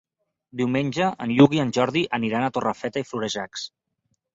Diumenge en Lluc i en Jordi aniran a Torrefeta i Florejacs.